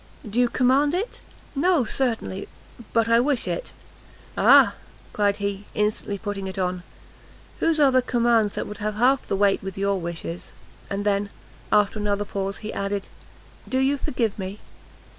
"Do you command it?" "No, certainly! but I wish it." "Ah!" cried he, instantly putting it on, "whose are the commands that would have half the weight with your wishes?" And then, after another pause, he added, "do you forgive me?"